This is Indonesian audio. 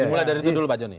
mulai dari itu dulu pak joni